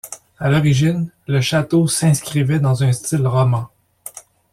À l'origine, le château s'inscrivait dans un style roman.